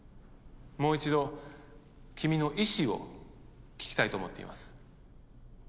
もう一度君の意思を聞きたいと思っています。